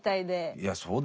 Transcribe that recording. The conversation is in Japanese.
いやそうだよね。